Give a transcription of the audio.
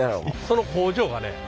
その工場がね